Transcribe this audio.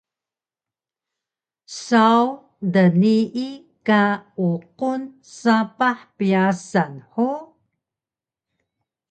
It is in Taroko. Saw dnii ka uqun sapah pyasan hug?